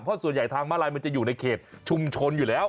เพราะส่วนใหญ่ทางมาลัยมันจะอยู่ในเขตชุมชนอยู่แล้ว